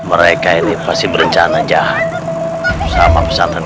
mereka ini pasti berencana aja sama pesantren